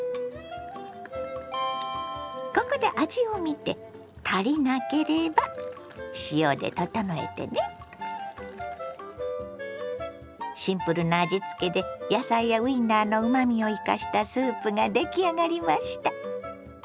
ここでシンプルな味付けで野菜やウインナーのうまみを生かしたスープが出来上がりました。